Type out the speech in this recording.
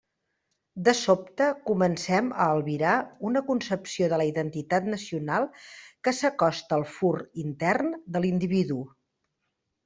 De sobte, comencem a albirar una concepció de la identitat nacional que s'acosta al fur intern de l'individu.